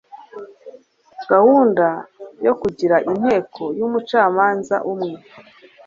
gahunda yo kugira inteko y'umucamanza umwe